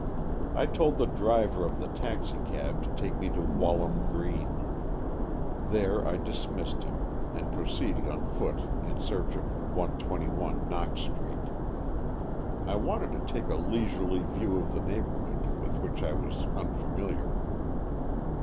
I told the driver of the taxicab to take me to Walham Green. There I dismissed him, and proceeded on foot in search of 12 1 Knox Street. I wanted to take a leisurely view of the neighbourhood, with which I was unfamiliar.